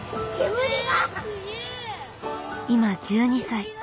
今１２歳。